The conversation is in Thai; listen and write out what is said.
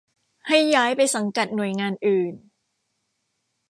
ให้ย้ายไปสังกัดหน่วยงานอื่น